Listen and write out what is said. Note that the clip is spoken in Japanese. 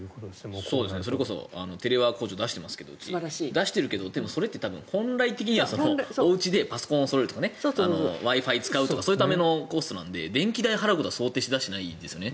それこそテレワーク補助をうちも出してますが出してるけど、でもそれって本来的にはおうちでパソコンをそろえるとかＷｉ−Ｆｉを使うとかそういうためのコストなので電気代を払うことは想定してないですね。